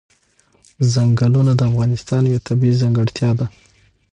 چنګلونه د افغانستان یوه طبیعي ځانګړتیا ده.